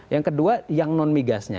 yang kedua yang non migasnya